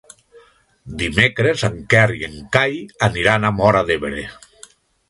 Dimecres en Quer i en Cai aniran a Móra d'Ebre.